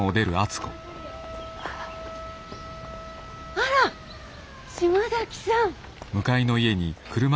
あら島崎さん。